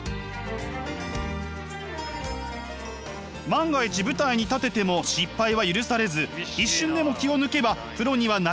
万が一舞台に立てても失敗は許されず一瞬でも気を抜けばプロにはなれない。